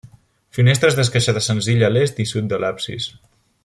Finestres d'esqueixada senzilla a l'est i sud de l'absis.